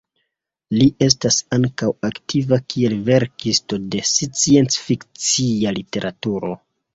Li estas ankaŭ aktiva kiel verkisto de sciencfikcia literaturo.